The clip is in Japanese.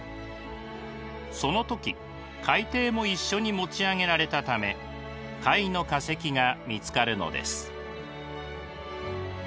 その時海底も一緒に持ち上げられたため貝の化石が見つかるのです。